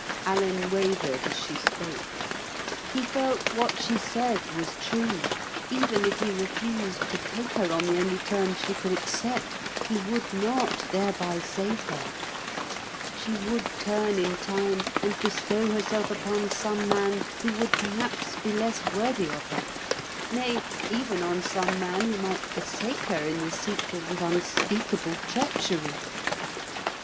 Alan wavered as she spoke. He felt what she said was true; even if he refused to take her on the only terms she could accept, he would not thereby save her. She would turn in time and bestow herself upon some man who would perhaps be less worthy of her—nay even on some man who might forsake her in the sequel with unspeakable treachery.